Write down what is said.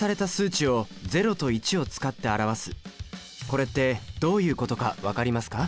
これってどういうことか分かりますか？